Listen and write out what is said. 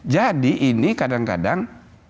jadi ini kadang kadang